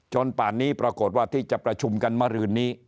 ป่านนี้ปรากฏว่าที่จะประชุมกันเมื่อรืนนี้